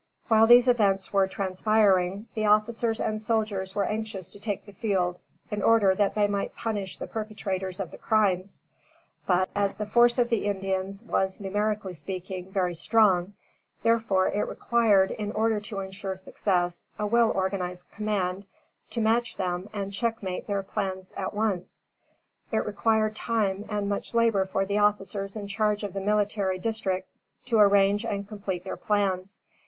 While these events were transpiring, the officers and soldiers were anxious to take the field in order that they might punish the perpetrators of the crimes; but, as the force of the Indians was, numerically speaking, very strong, therefore it required, in order to insure success, a well organized command to match them and checkmate their plans at once. It required time and much labor for the officers in charge of the military district to arrange and complete their plans.